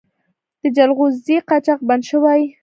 د جلغوزیو قاچاق بند شوی؟